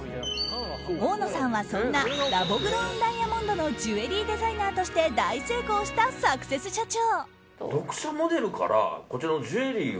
大野さんはそんなラボグロウンダイヤモンドのジュエリーデザイナーとして大成功したサクセス社長。